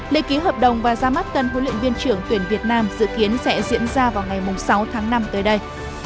lễ ký hợp đồng và ra mắt tân huấn luyện viên trưởng tuyển việt nam dự kiến sẽ diễn ra vào ngày sáu tháng năm tới đây